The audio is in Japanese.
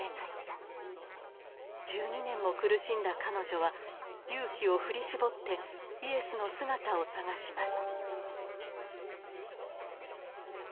１２年も苦しんだ彼女は勇気を振り絞ってイエスの姿を探します。